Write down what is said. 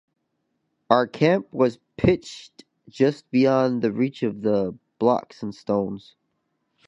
Our camp was pitched just beyond the reach of the blocks and stones.